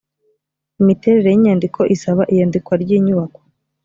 imiterere y inyandiko isaba iyandikwa ry inyubako